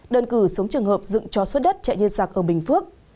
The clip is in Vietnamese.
đơn cử sống trường hợp dựng cho suất đất chạy như giặc ở bình phước